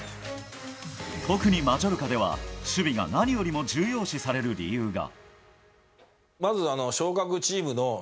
特にマジョルカでは、守備が何よりも重要視される理由が。